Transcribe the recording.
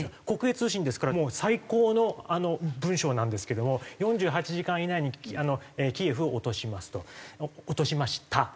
国営通信ですからもう最高の文章なんですけども「４８時間以内にキエフを落としました」。